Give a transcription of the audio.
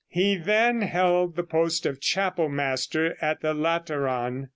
He then held the post of chapel master at the Lateran.